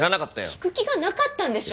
聞く気がなかったんでしょ